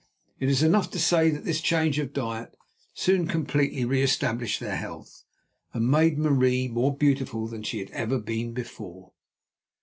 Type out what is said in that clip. It is enough to say that this change of diet soon completely re established their health, and made Marie more beautiful than she had ever been before.